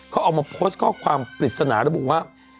เขาออกมาโพสต์ข้อความปริศนาระบุว่า